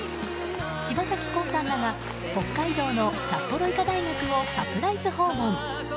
柴咲コウさんらが北海道の札幌医科大学をサプライズ訪問。